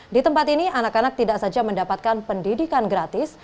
di tempat ini anak anak tidak saja mendapatkan pendidikan gratis